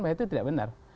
bahwa itu tidak benar